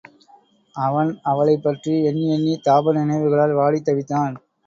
அவன் அவளைப் பற்றி எண்ணித் தாப நினைவுகளால் வாடித் தவித்தான்.